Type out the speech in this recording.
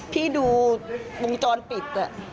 ที่ดูวงจรปิด